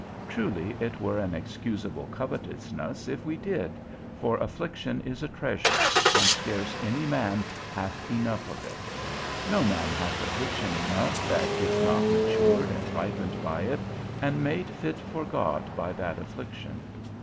Truly it were an excusable covetousness if we did, for affliction is a treasure, and scarce any man hath enough of it. No man hath affliction enough that is not matured and ripened by it, and made fit for God by that affliction.